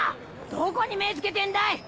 どこに目ぇつけてんだい！